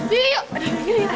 aduh ini ini